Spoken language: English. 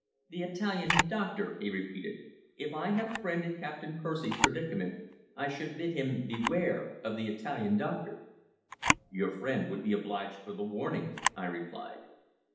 "The Italian doctor," he repeated. "If I had a friend in Captain Percy's predicament, I should bid him beware of the Italian doctor." "Your friend would be obliged for the warning," I replied.